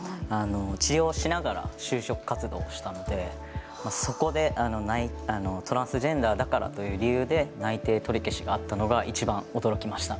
治療しながら就職活動をしたのでそこでトランスジェンダーだからという理由で内定取り消しがあったのがいちばん驚きました。